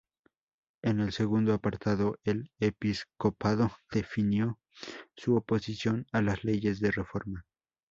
En el segundo apartado, el episcopado definió su oposición a las Leyes de Reforma.